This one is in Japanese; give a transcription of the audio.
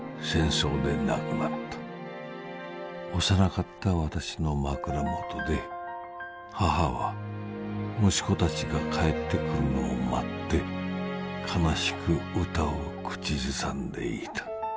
幼かった私の枕元で母は息子たちが帰ってくるのを待って哀しくうたを口ずさんでいた。